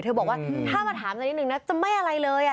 บอกว่าถ้ามาถามสักนิดนึงนะจะไม่อะไรเลย